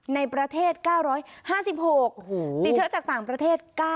ในประเทศ๙๕๖ติดเชื้อจากต่างประเทศ๙